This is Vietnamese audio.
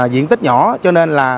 diện tích nhỏ cho nên là